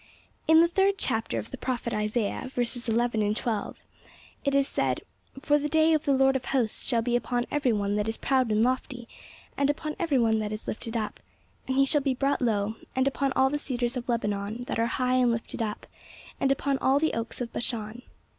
In the third chapter of the prophet Isaiah, verses eleven and twelve, it is said, 'For the day of the Lord of hosts shall be upon every one that is proud and lofty, and upon every one that is lifted up; and he shall be brought low; and upon all the cedars of Lebanon, that are high and lifted up, and upon all the oaks of Bashan.'